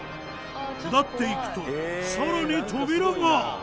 下っていくと更に扉が。